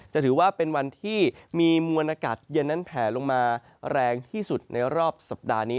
จะถือว่าเป็นวันที่มีมวลอากาศเย็นนั้นแผลลงมาแรงที่สุดในรอบสัปดาห์นี้